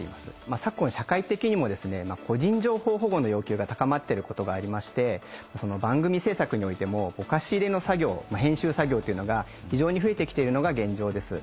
昨今社会的にもですね個人情報保護の要求が高まってることがありまして番組制作においてもぼかし入れの作業編集作業というのが非常に増えてきているのが現状です。